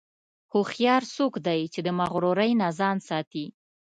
هوښیار څوک دی چې د مغرورۍ نه ځان ساتي.